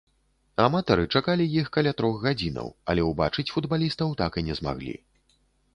Аматары чакалі іх каля трох гадзінаў, але ўбачыць футбалістаў так і не змаглі.